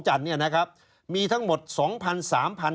ชีวิตกระมวลวิสิทธิ์สุภาณฑ์